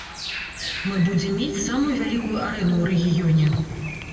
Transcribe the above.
Мы будзем мець самую вялікую арэну ў рэгіёне.